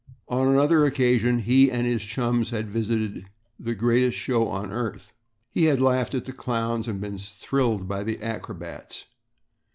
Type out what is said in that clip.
On another occasion he and his chums had visited the "Greatest Show on Earth." He had laughed at the clowns and had been thrilled by the acrobats.